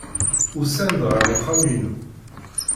Usan-d ɣer uxxam-inu.